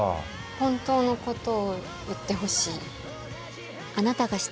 本当のことを言ってほしい。